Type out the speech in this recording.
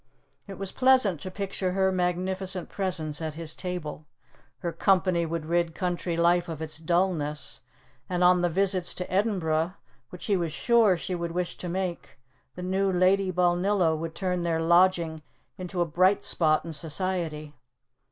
It was pleasant to picture her magnificent presence at his table; her company would rid country life of its dulness, and on the visits to Edinburgh, which he was sure she would wish to make, the new Lady Balnillo would turn their lodging into a bright spot in society.